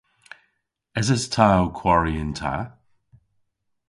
Eses ta ow kwari yn ta?